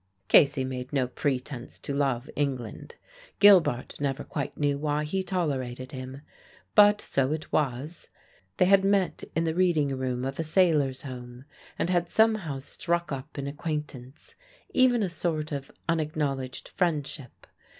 Casey made no pretence to love England. Gilbart never quite knew why he tolerated him. But so it was: they had met in the reading room of a Sailors' Home, and had somehow struck up an acquaintance, even a sort of unacknowledged friendship.